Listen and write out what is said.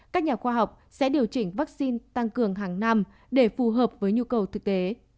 các nhà khoa học sẽ điều chỉnh vaccine tăng cường hàng năm để phù hợp với nhu cầu thực tế